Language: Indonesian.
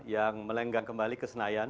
yang melenggang kembali ke senayan